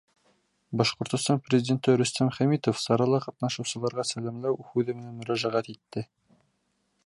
Башҡортостан Президенты Рөстәм Хәмитов сарала ҡатнашыусыларға сәләмләү һүҙе менән мөрәжәғәт итте.